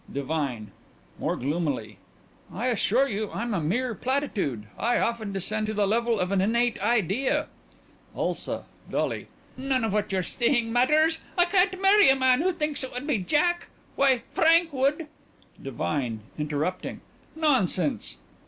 DIVINE: (More gloomily) I assure you I'm a mere platitude. I often descend to the level of an innate idea. ULSA: (Dully) None of what you're saying matters. I can't marry a man who thinks it would be Jack. Why Frank would DIVINE: (Interrupting) Nonsense!